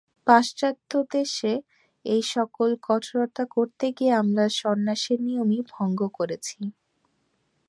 পাশ্চাত্যদেশে এই-সকল কঠোরতা করতে গিয়ে আমরা সন্ন্যাসের নিয়মই ভঙ্গ করেছি।